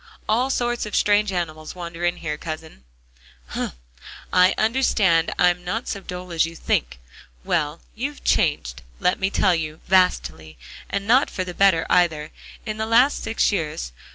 "All sorts of strange animals wander in here, Cousin." "Hum; I understand. I'm not so dull as you think. Well, you've changed, let me tell you, vastly, and not for the better either, in the last six years.